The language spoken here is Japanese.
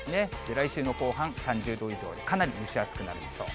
来週の後半、３０度以上、かなり蒸し暑くなるでしょう。